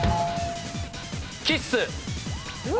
キッス。